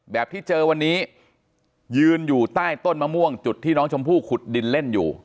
ที่เจอวันนี้ยืนอยู่ใต้ต้นมะม่วงจุดที่น้องชมพู่ขุดดินเล่นอยู่